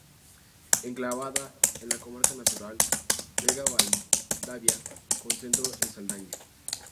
Enclavada en la comarca natural Vega-Valdavia, con centro en Saldaña.